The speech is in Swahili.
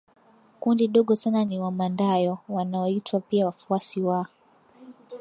Kundi dogo sana ni Wamandayo wanaoitwa pia wafuasi wa